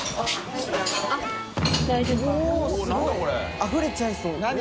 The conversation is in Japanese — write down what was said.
あふれちゃいそう。